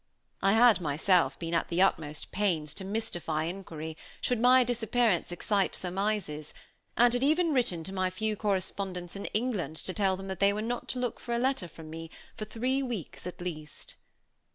I had myself been at the utmost pains to mystify inquiry, should my disappearance excite surmises, and had even written to my few correspondents in England to tell them that they were not to look for a letter from me for three weeks at least.